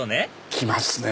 来ますね。